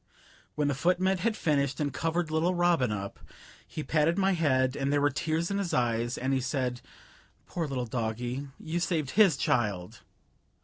When the footman had finished and covered little Robin up, he patted my head, and there were tears in his eyes, and he said: "Poor little doggie, you saved HIS child!"